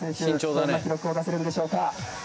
どんな記録を出せるんでしょうか？